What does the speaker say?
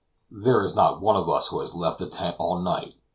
There is not one of us who has left the tent all night.